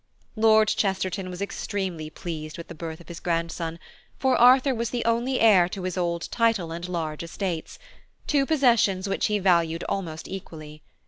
Lord Chesterton was extremely pleased with the birth of his grandson, for Arthur was the only heir to his old title and large estates–two possessions which he valued almost equally.